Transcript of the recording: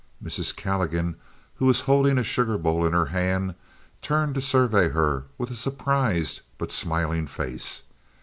Mrs. Calligan, who was holding a sugarbowl in her hand, turned to survey her with a surprised but smiling face.